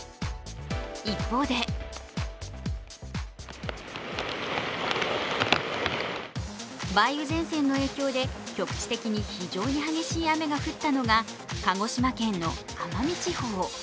一方で梅雨前線の影響で局地的に非常に激しい雨が降ったのが鹿児島県の奄美地方。